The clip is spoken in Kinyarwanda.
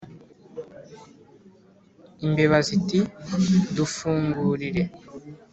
Imbeba ziti: "Dufungurire!"